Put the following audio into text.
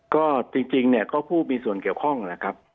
ก็จริงเนี่ยก็ผู้มีส่วนเกี่ยวข้องนะครับ